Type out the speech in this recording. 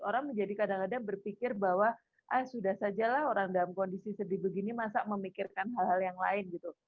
orang menjadi kadang kadang berpikir bahwa ah sudah saja lah orang dalam kondisi sedih begini masa memikirkan hal hal yang lain gitu